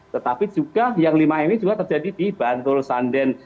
tetapi juga yang lima ini juga terjadi di bantul sanden